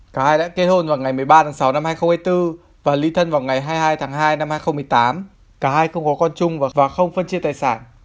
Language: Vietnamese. cả hai đã kết hôn vào ngày một mươi ba tháng sáu năm hai nghìn hai mươi bốn và ly thân vào ngày hai mươi hai tháng hai năm hai nghìn một mươi tám cả hai không có con chung và không phân chia tài sản